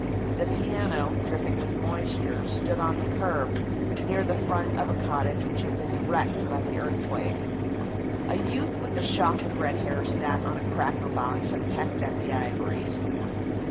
The piano, dripping with moisture, stood on the curb, near the front of a cottage which had been wrecked by the earthquake. A youth with a shock of red hair sat on a cracker box and pecked at the ivories.